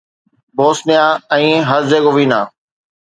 Bosnia ۽ Herzegovina